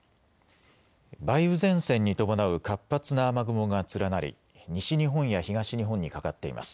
梅雨前線に伴う活発な雨雲が連なり西日本や東日本にかかっています。